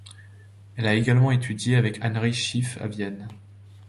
Elle a également étudié avec Heinrich Schiff à Vienne.